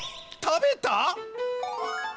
食べた。